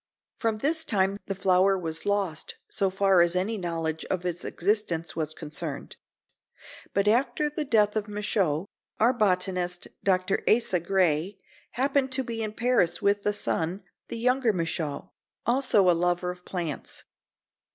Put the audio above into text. From this time the flower was lost, so far as any knowledge of its existence was concerned. But after the death of Michaux, our botanist, Dr. Asa Gray, happened to be in Paris with the son, the younger Michaux, also a lover of plants.